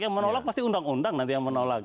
yang menolak pasti undang undang nanti yang menolak